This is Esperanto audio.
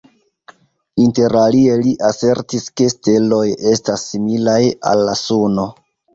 Interalie li asertis, ke steloj estas similaj al la Suno.